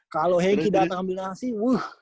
kalo henki dateng ambil nasi wuhh